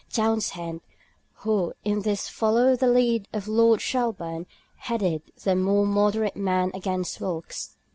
Townshend, who in this followed the lead of Lord Shelburne, headed the more moderate men against Wilkes.